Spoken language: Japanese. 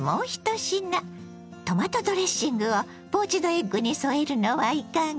トマトドレッシングをポーチドエッグに添えるのはいかが。